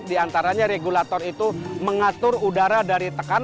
di antaranya regulator itu mengatur udara dari tekanan